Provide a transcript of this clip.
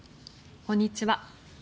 こんにちは。